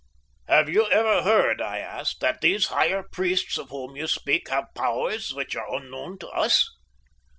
"Have you ever heard," I asked, "that these higher priests of whom you speak have powers which are unknown to us?"